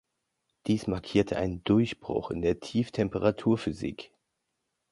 Dies markierte einen Durchbruch in der Tieftemperaturphysik.